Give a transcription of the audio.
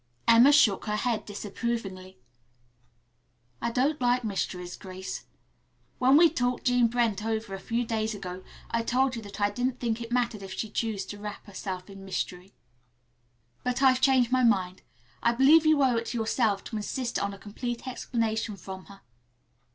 Emma shook her head disapprovingly. "I don't like mysteries, Grace. When we talked Jean Brent over a few days ago I told you that I didn't think it mattered if she choose to wrap herself in mystery. But I've changed my mind. I believe you owe it to yourself to insist on a complete explanation from her.